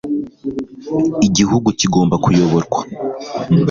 igihugu kigomba kuyoborwa